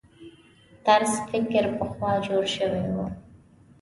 طرز فکر پخوا جوړ شوي وو.